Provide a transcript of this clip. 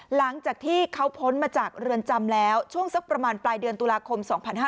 หลังจากที่เขาพ้นมาจากเรือนจำแล้วช่วงสักประมาณปลายเดือนตุลาคม๒๕๕๙